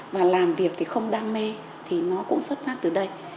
và làm việc thì không đam mê thì nó cũng xuất phát từ đây